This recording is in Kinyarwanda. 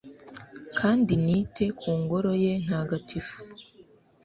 kandi nite ku ngoro ye ntagatifu